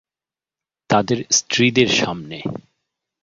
তাদের স্ত্রীদের সামনে।